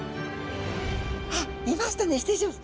あいましたね失礼します。